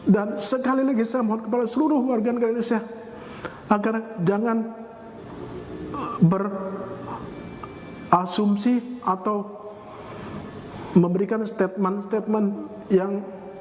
dan sekali lagi saya mohon kepada seluruh warga negara indonesia agar jangan berasumsi atau memberikan statement statement yang